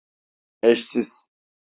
Eşsiz.